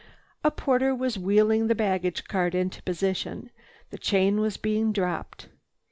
A porter was wheeling the baggage cart into position, the chain was being dropped.